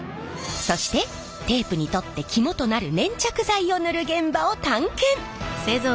そしてテープにとって肝となる粘着剤を塗る現場を探検！